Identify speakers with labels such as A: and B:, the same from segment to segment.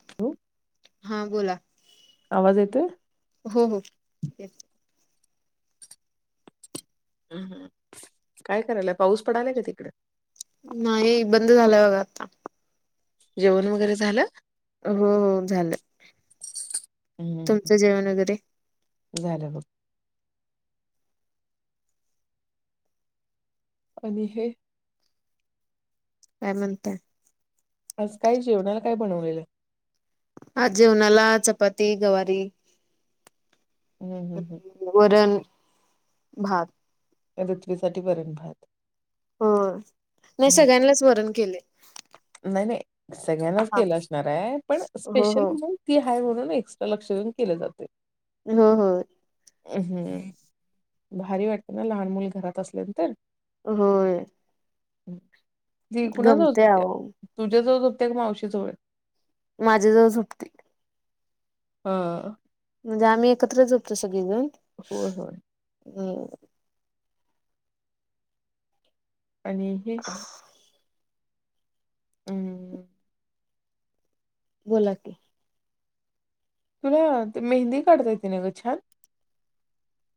A: [unintelligible]
B: हा बोला
A: आवाज येतोय?
B: हो हो.
A: हम्म हम्म, काय करायलीया पाऊस पडालाय का तिकडं?
B: नाही बंद झालाय बघा आता.
A: जेवण वगैरे झालं?
B: हो झालं.
A: हम्म
B: तुमचं जेवण वगैरे?
A: झालं बघ. आणि हे
B: काय म्हणताय?
A: आज काय जेवणाला काय बनवलेलं?
B: आज जेवणाला चपाती, गवारी.
A: हम् हम् हम्.
B: वरण, भात
A: त्या [inaudible] वरण, भात.
B: हो नाय सगळ्यांनाच वरण केलंय.
A: नाय नाय सगळ्यांनाच केलं असणाराय पण
B: हो
A: स्पेशल
B: हो
A: म्हणा ती हाय म्हणून एक्स्ट्रा लक्ष देऊन केल जातंय.
B: हो हो.
A: हम्म, भारी वाटते ना लहान मुल घरात असल्यानंतर?
B: होय.
A: ती कुणा जवळ
B: गमते
A: झोपतीय
B: आहो
A: तुमच्या जवळ झोपतीय का मावशी जवळ?
B: माझ्या जवळ झोपती.
A: हा.
B: म्हणजे आम्ही एकत्रच झोपतो सगळीजण.
A: होय होय.
B: हो.
A: आणि हे हम्म.
B: बोला की.
A: तुला मेहंदी काढता येते ना ग छान?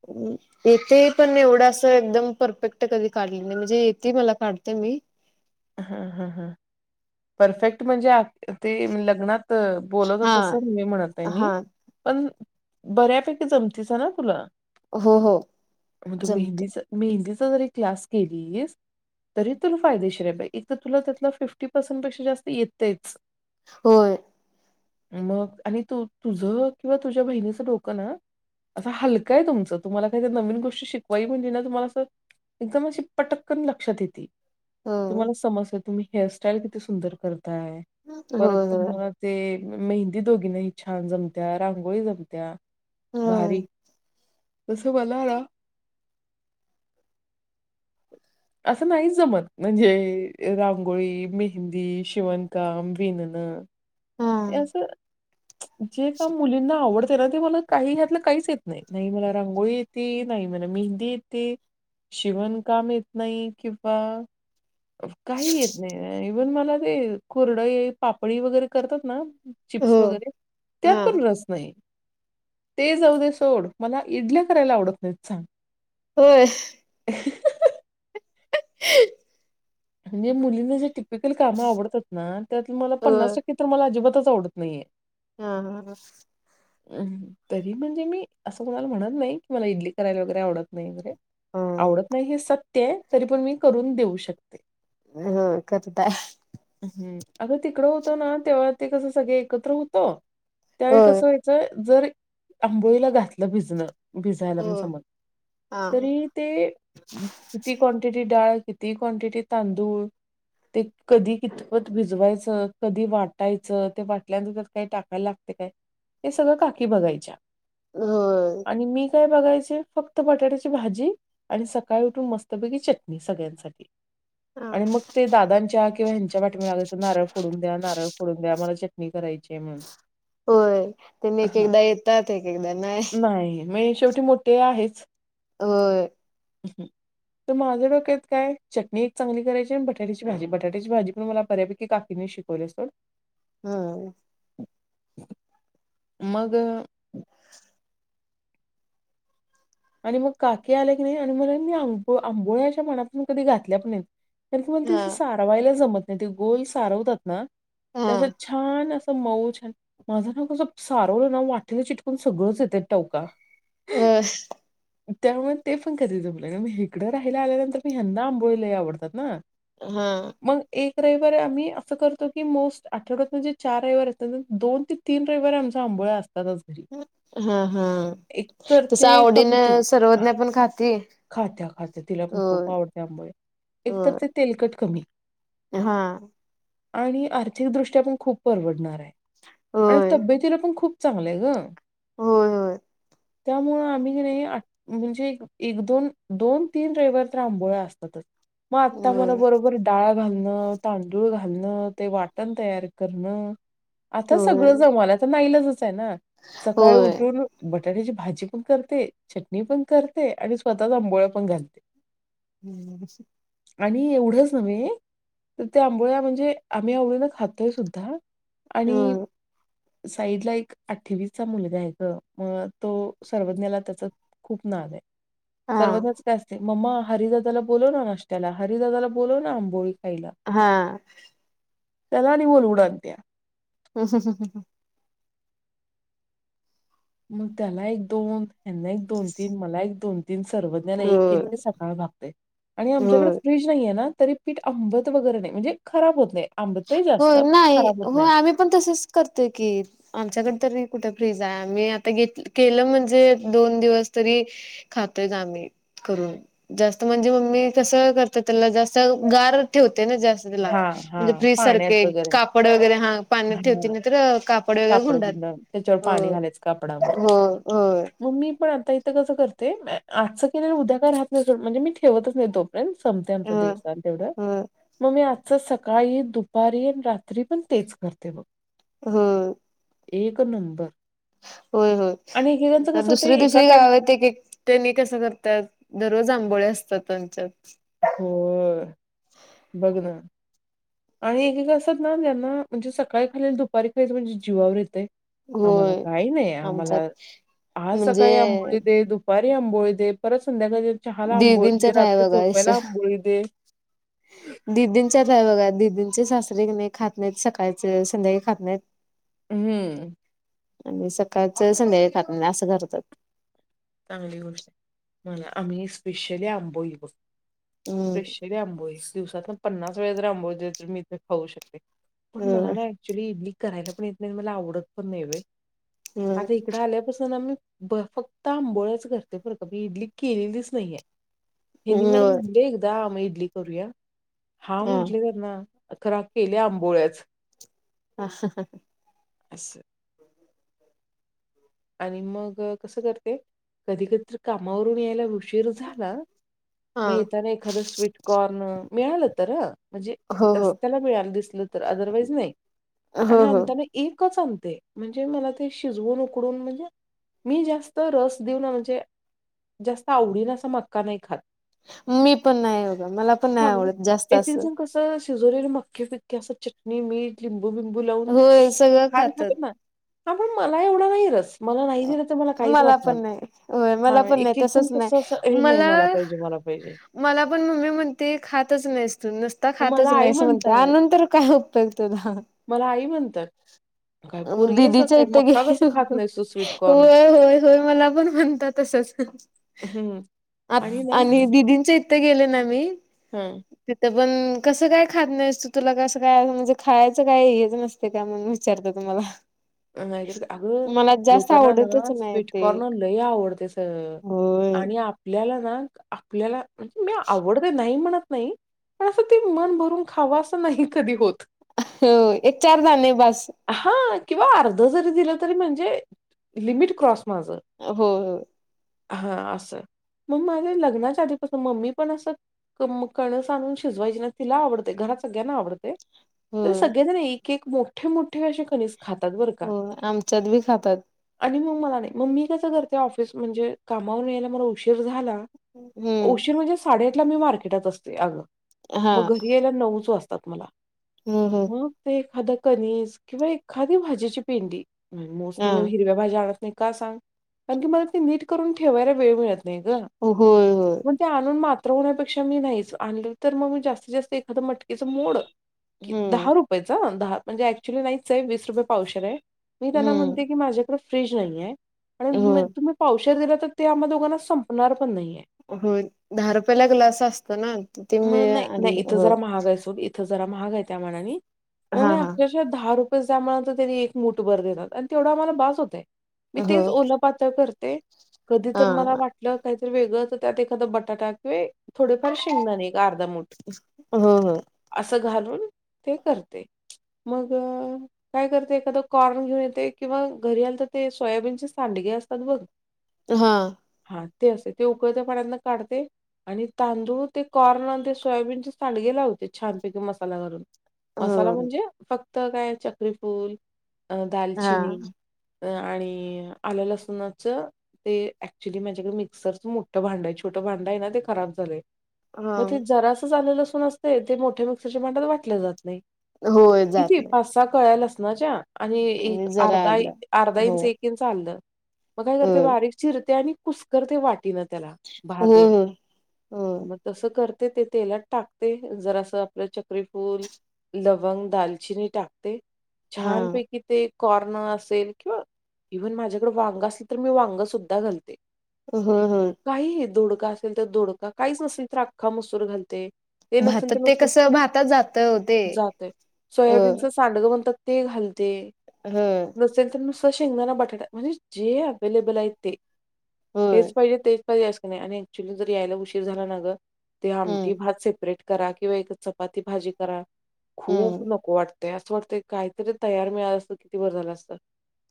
B: ह. येते पण एवढं असं एकदम परफेक्ट कधी काढली नाही, म्हणजे येते मला काढते मी.
A: हा ह ह परफेक्ट म्हणजे ते लग्नात
B: हा
A: बोलवतात तसं मी म्हणत नाही मी
B: हा
A: पण बऱ्यापैकी जमतीच ना तुला?
B: हो हो
A: मग तू
B: जमते
A: मेहंदीच मेहंदीचा जरी क्लास केलीस, तरी तुला फायदेशीर आहे बाई एक तर तुला त्यातल फिफ्टी पर्सेंटपेक्षा जास्त येतयच.
B: होय.
A: मग आणि तू तुझं किंवा तुझ्या बहिणीचं डोकं ना? असं हलकंय तुमचं, तुम्हाला काही तर नवीन गोष्टी शिकवाय म्हणजे ना तुम्हाला असं एकदम अशी पटक्कन लक्षात येते.
B: हो
A: तुम्हाला समजतंय तुम्ही हेअरस्टाईल किती सुंदर करताय, परत
B: होय होय
A: तुम्हाला ते मेहंदी दोघींनाही छान जमत्या रांगोळी जमत्या. भारी
B: होय
A: तस मला ना? असं नाही जमत म्हणजे रांगोळी, मेहंदी, शिवणकाम विणण
B: हा
A: असं जे काम मुलींना आवडतय ना? ते मला काही त्यातलं काहीच येत नाही. नाही मला रांगोळी ते नाही मला मेहंदी येते, शिवण काम येत नाही किंवा काही येत नाही इव्हन मला ते कुरडई पापडी वगैरे करतात ना?
B: हो
A: चिप्स वगैरे
B: हा
A: त्यात पण रस नाही. ते जाऊ दे सोड मला इडल्या करायला आवडत नाहीत सांग
B: होय.
A: ह. म्हणजे मुलींना जे टिपिकल कामं आवडतात ना? त्यात मला पन्नास
B: होय
A: टक्के तर मला अजिबातच आवडत नाहीये.
B: हा हा ह.
A: हम तरी म्हणजे मी असं कोणाला म्हणत नाही कि मला इडली करायला वगैरे आवडत नाही वगैरे
B: होय
A: आवडत नाही हे सत्य आहे तरी पण मी करून देऊ शकते.
B: हो करताय.
A: हम्म, अग तिकडं होतं ना तेव्हा ते कस सगळे एकत्र होतो? त्यावेळी
B: होय
A: कसं व्हायचं, जर आंबोळीला घातलं भिजणं भिजायला
B: हो
A: म समज
B: हा
A: तरी ते किती क्वांटिटी डाळ? किती क्वांटिटी तांदूळ? ते कधी कितपत भिजवायचं, कधी वाटायचं ते वाटल्यानंतर काही टाकायला लागते काय? हे सगळं काकी बघायच्या
B: होय
A: आणि मी काय बघायचे? फक्त बटाट्याची भाजी आणि सकाळी उठून मस्तपैकी चटणी, सगळ्यांसाठी
B: हा
A: आणि मग ते दादांच्या किंवा ह्यांच्या पाठीमाग लागायचं नारळ फोडून द्या, नारळ फोडून द्या मला चटणी करायची म्हणून.
B: होय त्यांनी एक एकदा येतात एक एकदा नाही.
A: नाहीे मग हे शेवटी मो ते आहेच.
B: होंय्
A: हम.. [inaudible] तर माझ्या डोक्यातं काय् चटणी एक चांगली करायची, आणि बटाटेची भाजी -बटाट्याची भाजी पण मला बऱ्यापैकी लागकी नाही शिकं पोलेसलं.
B: होंम्.
A: मगं अं. आणि मगं काकी आल्या कीई नाही, आणि मला मी आंब -आंबोळ्याच्या पाण्यातून कधी घातल्या पणं नाहीत. कार कला मग तै
B: हा
A: सारवायला जमत नाही. ते गोल सारवतात नां
B: हा
A: दत्याचं छान! असं. मऊचं माझं नां कसं सारवलं नां वाटेला चिटकून सगळंचं येते टौका.
B: बस्ंअ्..
A: त्यामुळे तें पण कधी जमले मग इकडं राहियला. आल्यानंतर मी हयांदा आंबोळीलाही आवडतात नां.
B: हांअं
A: मग ऐकं रवीव्हारी आम्ही असं करतो की मस्तं आठवड्यातून जे चार रैयवार अस दोन ते. तीनं रविवारी आमचा आंबोळा असतोचं.
B: हांअ- हांअ
A: तर
B: तस
A: ते
B: आवडीनं सर्वज्जन पण खातीन.
A: खात्यायं-खात्यायं तिला पणं खूप आवडते आंबोले एक तर् तें तेलकट कमी.
B: हांअ.
A: आणि आर्थिकदृष्ट्या आपण खूपं परवडणार आहे. आणि
B: होय
A: तब्येतीला पण खूपं. चगलेयं गंअ.
B: होयं- होयं.
A: त्यामुळं आम्ही कीई नाही म्हणजें. एकं दोन -दोन तीन रविवार तर् आांबोळ असतातचं मगं आता मला
B: होय
A: बरोबरं. डाळा घालणं, तांदूळ घालणं, ते वाटण तयार करणं. आता
B: होय
A: सगळं जमाना तर् नाही ईलाजचं आहे नां सकाळी उठून.
B: होय
A: बटाट्याची भाजी पणं करते, चटणी पण करते,. आणि स्वतःचंवरुन आंघोळ पण घालते.
B: हम्. [inaudible]
A: आणि एवढंच नव्हे तर् त्या आंबोळ्या म्हणजे. आम्ही आवडीला खातोयं सुद्धां आणियं
B: हम्म
A: साईड ला ऐक अठ्ठेवीसचा मुलगा येतो ग मगं तो सर्वज्ञाला त्याचा. खूपं नाज आहे.
B: हा
A: सर्वतचं त्याचं असते मम्मा हरिदादाला बोलव नां नााशत्याला, हरिदादाला बोलव नां आंबोळी खायलां.
B: हांअ आ.
A: त्याला आणि बोलवून आणत्या.
B: ह -हं- हं- ह- हं.
A: मग त्याला ऐक, दोन, देना एक, दोन, तीन, मला. एक, दोन, तीन सर्वज्ञाना एक
B: होय
A: केली क. आंबते आणि आमच्याकडे
B: होय
A: फ्रीज नाहीये नां तरी पीठ अंबट वगैरे नाही म्हणजे खराब होतं नाही. आंबतही जास्तं, पण खराबच होत नाही.
B: मगं तसैचं पण तसच करते की. आमच्याकडे तरी कुठे फ्रीज आहे. आम्ही आता घेत केलं म्हणजे दोन दिवस तरी. [inaudible] खातौय नां आम्हीं. हं करून जास्तं म्हणजे मम्मी कसं करत त्याला जास्तं गार ठेवते नां जास्तं. तुझं लां.
A: हा हा
B: म्हणजे फ्रीज
A: पाण्यात
B: सारखे
A: वगैरे
B: कापडं वगैरे हां पाण्यात ठेवते
A: हा
B: नाही तर् कापड वगैरे गुंडात.
A: त्याच्यावर
B: हो
A: पाणी घालायचं कापडावर्.
B: हो होय
A: मग मी पण आता इथं कसं करते आजचं कले उद्या काय राहत नाही सो म्हणजे मी ठेवतच नाही तो. फ्रें संपते आमचा
B: हो
A: दिवसा तेवढं.
B: हो
A: मग मी आजच सकाळी दुपारी रात्री पण तेच करते बघ.
B: होा.
A: एक नंबर.
B: होय होय
A: आणि एकेकांचं
B: तर
A: कसं होतं
B: दुसरी
A: एका
B: दुसरी
A: टाइम
B: गाव आहेत एक एक. त्यांनी कस करतात दररोज आंबोळे असतात त्यांच्यात.
A: हो बघ ना. आणि एक असत ना त्यांना म्हणजे सकाळी खालील दुपारी खालील म्हणजे जीवावर येतय. आम्हाला
B: होय
A: काही नाही
B: आमच्यात
A: आम्हाला आज
B: म्हणजे
A: सकाळी आंबोली दे दुख. दुपारी आंबोळी दे परत संध्याकाळी चहाला आंबोळी दे
B: दिदींच्यात आहे
A: रात्री
B: बघा
A: झोपायला आंबोळी ‌‍‌‌दे‌‌‍‌.
B: ददींच्या आत आहे बघा दिदींचे सासरे नाही खात नाहीत सकाळचे संध्याकाळी खात नाहीत.
A: हम्म.
B: आणि सकाळचं संध्याकाळी खात असं करतात.
A: चांगली गोष्ट आहे मला आम्ही स्पेशली आंबोई
B: हम्म
A: बघे. आंबोस दिवसात पन्नास वेळे जर आंबो ज मी इथ खाऊ शकते पण मला
B: हम्म
A: नाही. क्चुली इडली करायला पण येत नाही मला आवडत पण नाही होईल आता. इकड आल्यापासून आम्ही ब फक्त आंबोळच करते बर का इडली केलेलीच नाहीये. हेनी मला
B: होय
A: म्हणले एकदा मग इडली करूया हा म्हंटले त्यांना. खरा केल्या आंबोळ्याच.
B: ह ह.
A: असं. आणि मग कसं करते कधी कधीत कामावरून यायला उशीर झाला.
B: हा
A: मताना एखादं स्वीटकॉर्न मिळालं तर. म्हणजे
B: हो हो
A: रस्त्याला मिळायला दिसलं तर अदरवाईज नाही
B: हो
A: आणि
B: हो.
A: अंत. एकच आणते म्हणजे मला ते शिजवून. उकडून म्हणजे मी जास्त रस देऊ ना म्हणजे. जास्त आवडीन असं मक्का नाही खात.
B: मी पण नाही होघं मला पण नाही आवडत जास्त असं.
A: शिजलेल म्की पिक्की असं च. मी मीठ लिंबू बिंबू लावून
B: होय सगळं
A: खछान खातात ना हा पण मला एवढा नाही रस. मला नाही दिलं तर मला काहीच वाटणार
B: पण नाही होय
A: हा
B: मला पण नाही
A: एक एक जण
B: तसच
A: कसं असं हे नाही मला पाहिजे म. जे.
B: मला पण मम्मी म्हणते खातच नाहीसतो नसत. ता
A: मग मला
B: खातच नाही
A: आई
B: अस म्हणते
A: म्हणतात,
B: त्यानंतर काय उपयगत.
A: मला आई म्हणतात. काय पोरगी आहेस का
B: दिदीच्या
A: काय?
B: इथे घे.
A: मक्का कसं खात नाहीस तू स्वीट कॉर्न?
B: होय होय होय मला पण म्हणतात तसच
A: हं
B: आणि. दिदींच्या इथे गेले ना मी.
A: हम.
B: तिथं पण कसं काय खाात नाहीसतू तुला कसं काय म्हणजे खायचं काय हेच नसत. ते काय म्हणून विचारत तुम्हाला.
A: अ अग. लोकांना ना
B: आवडतच नाही ते
A: स्वीटकॉर्नर लय आवडते स
B: होय
A: आणि. आपल्याला ना आपल्याला म्हणजे मी आवडते नाही म्हणत नाही. पण असं ते मन भरून खावा असं नाही कधी होत.
B: हो एक, चार दाणे बस.
A: हा किंवा अर्ध जरी दिलं तरी म्हणजे लिमिट क्रॉस माझं.
B: हो हो.
A: हा असं, मग माझ्या लग्नाच्या आधीपासून मम्मी पण असं कणस आणून शिजवायची ना तिला आवडते घरात सगळ्यांना आवडते. तर
B: हो
A: सगळेजण एक, एक, मोठे, मोठे असे कणीस खातात बरं का.
B: हो आमच्यात बी खातात
A: आणि मग मला नाही मग मी कसं करते ऑफिस म्हणजे कामावरून यायला मला उशीर झाला.
B: हम्म
A: उशीर म्हणजे साडेआठला मी मार्केटात असते अगं
B: हा
A: मग घरी यायला नऊच वाजतात मला
B: हो हो
A: मग एखादा कनिस किंवा एखादी भाजीची पेंडी मोस्टली
B: हा
A: मी हिरव्या भाज्या आणत नाही का सांग कारन की मला ते नीट करून ठेवायला वेळ मिळत नाही ग.
B: होय होय
A: ते आणून मात्र होण्यापेक्षा मी नाहीच आणलं तर मग मी जास्तीत, जास्त एखादं मटकीचं मोड दहा
B: हम्म
A: रुपयेचा दहा म्हणजे ऍक्च्युअली नाहीच आहे वीस रुपये पावशेर आहे. मी त्यांना म्हणते
B: हम्म
A: की माझ्याकडे फ्रीज नाही आहे
B: हो
A: आणि तुम्ही पावशेर दिलं तर ते आम्हा दोघांना संपणार पण नाहीये.
B: होय, दहा रुपयया ला ग्लास असतो ना ते मिळ आणि हो.
A: हा बाई सोड इथ जरा महाग आहे त्या मानाने ओ
B: हा
A: माय
B: हा
A: आपल्या दहा रूप [unintelligible] त्यांनी एक मुठ भर देता आणि तेवढ आम्हाला बस होतय मी
B: हो
A: तेच ओ पातळ करते कधी
B: हा
A: तर मला वाटलं काहीतरी वेगळं तर त्यात एखादा बटाटा किंवा थोडेफार शेंगदाने एक अर्धा मुठ
B: हो हो
A: असं घालून ते करते मग काय करते एखाददा कॉर्न घेऊन येते किंवा घरी आल तर ते सोयाबीनचे सांडगे असतात बघ.
B: हा.
A: हा ते असते ते उकडत पाण्यातन काढते आणि तांदूळ ते कॉर्न ते सोयाबीनचे सांडगे लावते छान पैकी मसाला वरून. मसाला
B: हो
A: म्हणजे फक्त काय चक्रीफूल अ
B: हा
A: दालचिनी अ आणि आल्या, लासूनाच ते ऍक्च्युअली माझ्याकडे मिक्सरच मोठं भांड आहे छोट भांड आहे ना ते खराब झालंय
B: हा
A: मग ते जरा असं झालेलं असून असते ते मोठ्या मिक्सरच्या भांड्यात वाटलं जात नाही.
B: होय जात
A: किती
B: नाही
A: पाच, सहा कळ्या लसणाच्या आणि एक,
B: जरा
A: अर्धा,
B: आलं
A: अर्धा
B: हो
A: इंच एक एक इंच आल मग काय करते
B: होय
A: बारीक चिरते आणि कुसकरते वाटीन त्याला भार
B: होय
A: देऊन.
B: होय होय
A: मग तसं करते ते तेलात टाकते जरास आपलं चक्रीफूल लवंग, दालचिनी टाकते
B: हा
A: छान पैकी ते कॉर्न असेल किंवा इव्हन माझ्याकडे वांग असल तर मी वांग सुद्धा घालते.
B: होय, होय.
A: काही हे दोडका असेल तर दोडका काहीच नसेल तर अख्खा मसूर घालते. ते नसेल
B: भातात ते
A: तर
B: कसं भातात जात हो ते
A: [inaudible] जातय [inaudible]
B: हो
A: सोयाबीन. सांडगं म्हणतात ते घालते.
B: हम्म.
A: नसेल तर शेंगदाना, बटाटा म्हणजे जे अव्लेबल आहे ते
B: होय
A: हेच, पाहिजे ते कधी असं नाही आणि ऍक्च्युली जर यायला उशीर झाला ना गं ते
B: हम्म
A: आमटी भात सेपरेट करा किंवा एक चपाती, भाजी करा खूप
B: हम्म
A: नको वाटत. ते असं होतय कायतरी तयार मिळालं असत किती बर झालं असतं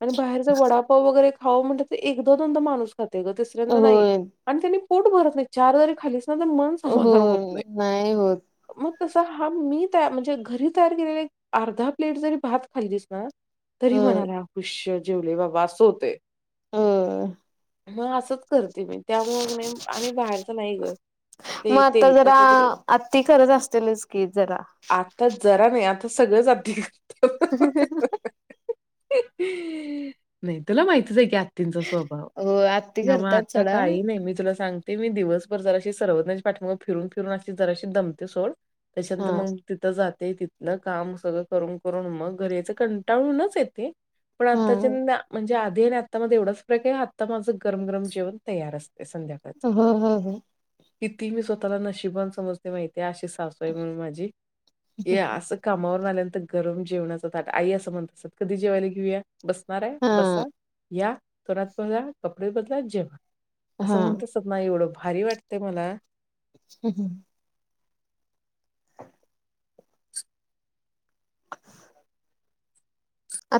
A: आणि बाहेरचा वडा पव्ह वगैरे खाऊ म्हणटलं एकदा-दोनदा माणूस खाते गं, तिसऱ्यांदा नाही.
B: होय,
A: आणि त्यांनी पोट भरत नाही. चार जरी खालीस ना, तर मन समाधान होत
B: होय,
A: नाही.
B: होत.
A: मग कसं? हा, मी तया म्हणजे घरी तयार केलेल अर्धा प्लेट जरी भात खाल्लीस ना, तरी
B: होय,
A: म्हणाला, हुश्य! जेवले बाबा, अस होते.
B: [unintelligible]
A: म असंच करते मी, त्यामुळं की नाही? आणि बाहेरचं नाही गं
B: मग
A: ते
B: आता जरा
A: तेलकट वगैरे
B: आत्ती करत असतीलच की जरा.
A: आता जरा वेळातचं. सगळंच आधी नाही, तुला माहितीच आहे की. तिचा स्वभाव
B: हो आत्ती
A: न्हवं
B: करतात
A: आता
B: सोडा.
A: काही नाही मी तुला सांगते. ते मी दिवसभर जराशी सर्वजना पाठीमाग फिरून-फिरून अशी जराशी दमते. सोड,
B: हा,
A: त्याच्यानंतर मग तिथं जाते, तिथनं काम सगळं करून- करून मग घरीच यायचं. कंटाळूनच येते. पण
B: हा,
A: आताच्या म्हणजे, आधी आणि आतामध्ये एवढंच ते आत्ता माझं गरम-गरम जेवण तयार असते. संध्या
B: [unintelligible]
A: किती मी स्वतःला नशिबान समजते माहितीेय, अशी सासु आहे म्हणून माझी की असं कामावरून आल्यानंतर गरम जेवणाच ताट आई असं म्हणत असतात. कधी जेवायला घेऊया? बसणार आहे? बसा,
B: हा,
A: या तोंड, हात-पाय धुआ, कपडे बदला जेवा, असं
B: हा.
A: म्हणत असते. नाही, एवढं भारी वाटते मला
B: हम्म-हम्म. आता